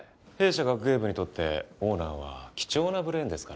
弊社学芸部にとってオーナーは貴重なブレーンですから。